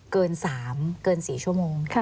เกิน๓เกิน๔ชั่วโมง